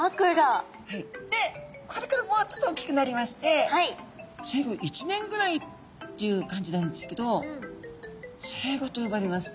でこれからもうちょっと大きくなりまして生後１年ぐらいっていう感じなんですけどセイゴと呼ばれます。